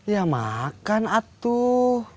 ya makan atuh